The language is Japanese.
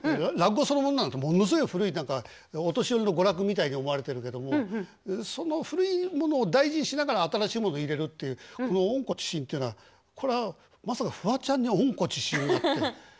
落語そのものなんてものすごい古い何かお年寄りの娯楽みたいに思われてるけどもその古いものを大事にしながら新しいものを入れるっていうこの「温故知新」っていうのはこれはまさかフワちゃんに「温故知新」がって。